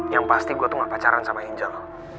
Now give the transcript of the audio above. yang pasti gue tuh gak pacaran sama angel